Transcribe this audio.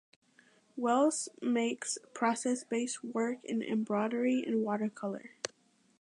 Wells makes process based work in embroidery and watercolour.